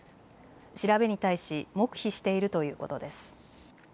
調べに対し黙秘しているということです。